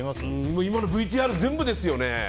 今のＶＴＲ、全部ですよね。